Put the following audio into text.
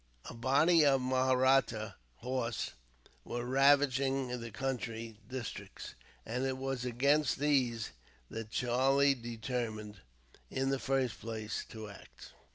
A body of Mahratta horse were ravaging the country districts; and it was against these that Charlie determined, in the first place, to act.